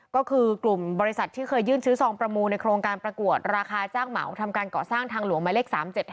ก็คือกลุ่มบริษัทที่เคยยื่นซื้อซองประมูลในโครงการประกวดราคาจ้างเหมาทำการก่อสร้างทางหลวงหมายเลข๓๗๕